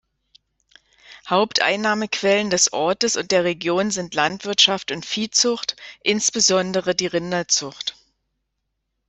Haupteinnahmequellen des Ortes und der Region sind Landwirtschaft und Viehzucht, insbesondere die Rinderzucht.